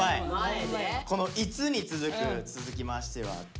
この「いつ？」に続く続きましては「どこで？」